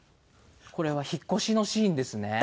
これは引っ越しのシーンですね。